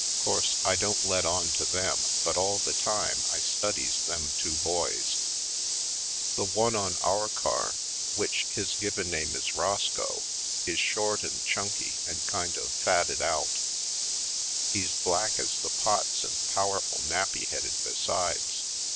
'Course I don't let on to them, but all the time I studies them two boys. 28 /. Poindexter, Colored The one on our car, which his given name is Roscoe, is short and chunky and kind of fatted out; he's black as the pots and power ful nappy headed besides.